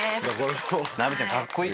ナベちゃんかっこいい。